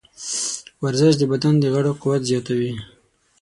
ورزش د بدن د غړو قوت زیاتوي.